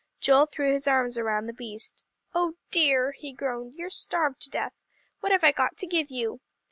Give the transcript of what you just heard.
Joel threw his arms around the beast. "Oh dear!" he groaned, "you're starved to death. What have I got to give you?"